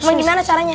sama gimana caranya